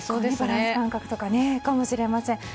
バランス感覚とかかもしれません。